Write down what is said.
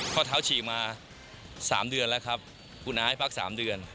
ข้อเท้าฉี่มา๓เดือนแล้วครับคุณอาให้พัก๓เดือน